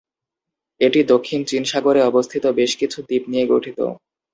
এটি দক্ষিণ চীন সাগরে অবস্থিত বেশ কিছু দ্বীপ নিয়ে গঠিত।